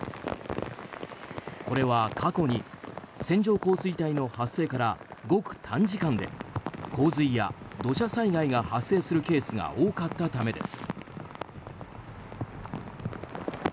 これは過去に線状降水帯の発生からごく短時間で洪水や土砂災害が発生するケースが多かったためです。